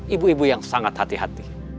ibu ibu yang sangat hati hati